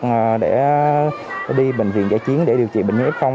hoặc để đi bệnh viện giải chiến để điều trị bệnh nhân x